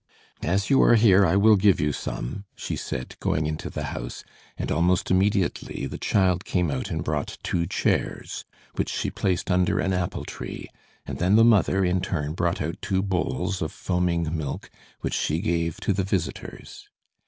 "As you are here, I will give you some," she said, going into the house, and almost immediately the child came out and brought two chairs, which she placed under an apple tree, and then the mother, in turn brought out two bowls of foaming milk, which she gave to the visitors.